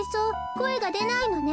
こえがでないのね。